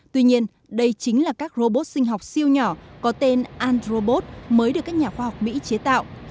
tuy nhiên đây chính là các robot sinh học siêu nhỏ có tên androbot mới được các nhà khoa học mỹ chế tạo